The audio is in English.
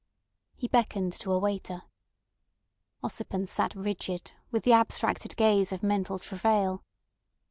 He beckoned to a waiter. Ossipon sat rigid, with the abstracted gaze of mental travail.